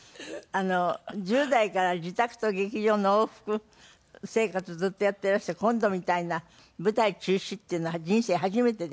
１０代から自宅と劇場の往復生活ずっとやっていらして今度みたいな舞台中止っていうのは人生初めてで。